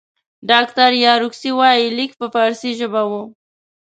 ډاکټر یاورسکي وایي لیک په فارسي ژبه وو.